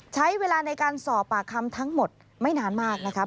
ใช้เวลาในการสอบปากคำทั้งหมดไม่นานมากนะครับ